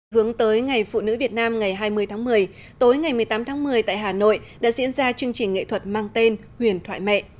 hướng tới ngày phụ nữ việt nam ngày hai mươi tháng một mươi tối ngày một mươi tám tháng một mươi tại hà nội đã diễn ra chương trình nghệ thuật mang tên huyền thoại mẹ